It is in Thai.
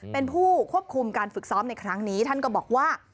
เป็นผู้ควบคุมการฝึกซ้อมในครั้งนี้ท่านก็บอกว่า